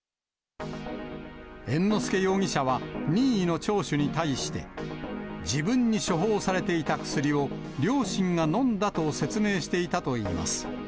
猿之助容疑者は、任意の聴取に対して、自分に処方されていた薬を両親がのんだと説明していたといいます。